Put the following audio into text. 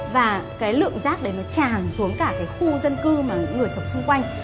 và cái lượng rác đấy nó tràn xuống cả cái khu dân cư mà những người sống xung quanh